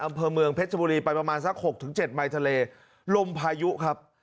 อำเภอเมืองเพชรบุรีไปประมาณสัก๖๗มายทะเลลมพายุครับ